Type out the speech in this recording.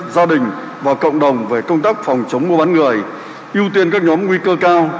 gia đình và cộng đồng về công tác phòng chống mua bán người ưu tiên các nhóm nguy cơ cao